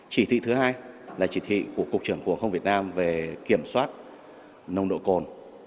chỉ thị thứ hai là chỉ thị của cục trưởng cục hồng việt nam về kiểm soát nông độ cồn